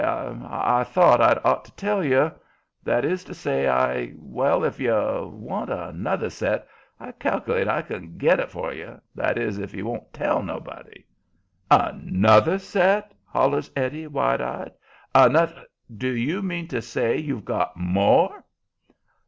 I I thought I'd ought to tell you that is to say, I Well, if you want another set, I cal'late I can get it for you that is, if you won't tell nobody." "ANOTHER set?" hollers Eddie, wide eyed. "Anoth Do you mean to say you've got MORE?"